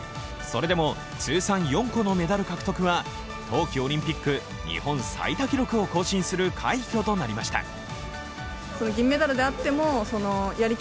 それでも、通算４個のメダル獲得は冬季オリンピック日本最多記録を更新する快挙となりました。